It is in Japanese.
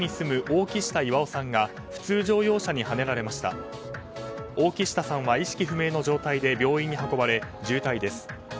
大木下さんは意識不明の状態で病院に運ばれ重体です。